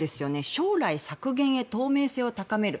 将来削減へ透明性を高める。